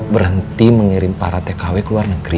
berhenti mengirim para tkw ke luar negeri